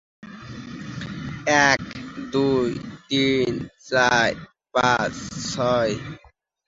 The term "broadband" became a marketing term for any digital Internet access service.